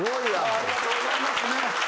ありがとうございますね。